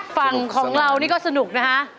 ฝั่งของเรานี่ก็สนุกนะฮะ